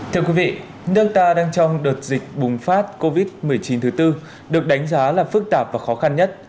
thưa quý vị nước ta đang trong đợt dịch bùng phát covid một mươi chín thứ tư được đánh giá là phức tạp và khó khăn nhất